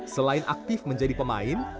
setelah aktif menjadi pemain